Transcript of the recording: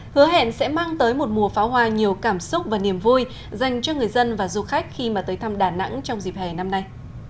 hứa hẹn sẽ mang tới một mùa pháo hoa nhiều cảm xúc và niềm vui dành cho người dân và du khách khi mà tới thăm đà nẵng trong dịp hè năm nay